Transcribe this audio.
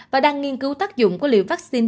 và đang nghiên cứu tác dụng của liệu vaccine